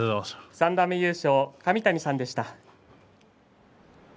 三段目優勝、神谷さんでした。